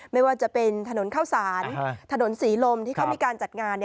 ไม่ว่าจะเป็นถนนข้าวสารถนนศรีลมที่เขามีการจัดงาน